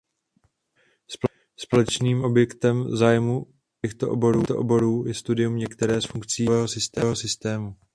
Společným objektem zájmu všech těchto oborů je studium některé z funkcí nervového systému.